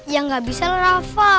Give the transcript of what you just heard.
ya gak bisa lah rafa